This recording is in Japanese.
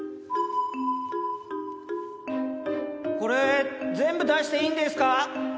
これ全部出していいんですか？